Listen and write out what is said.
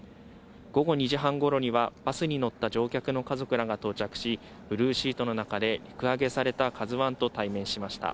午後２時半ごろには、バスに乗った乗客の家族らが到着し、ブルーシートの中で陸揚げされたＫＡＺＵＩと対面しました。